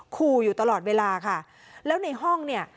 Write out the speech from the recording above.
ขู่อยู่ตลอดเวลาค่ะแล้วในห้องเนี่ย